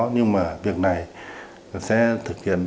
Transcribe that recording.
nhưng mà việc này sẽ thực hiện